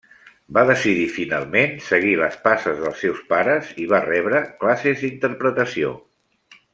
Va decidir finalment seguir les passes dels seus pares i va rebre classes d'interpretació.